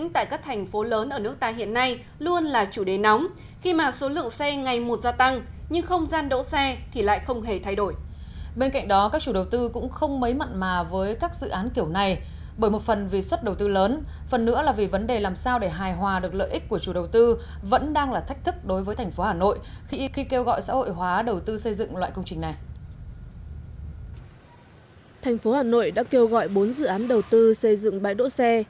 thành phố hà nội đã kêu gọi bốn dự án đầu tư xây dựng bãi đỗ xe